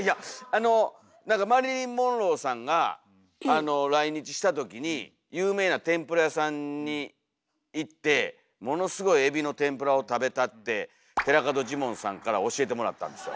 あの何かマリリン・モンローさんが来日した時に有名な天ぷら屋さんに行ってものすごいえびの天ぷらを食べたって寺門ジモンさんから教えてもらったんですよ。